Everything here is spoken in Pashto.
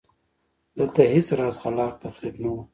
دلته هېڅ راز خلاق تخریب نه و